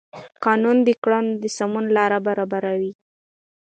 قانون د کړنو د سمون لار برابروي.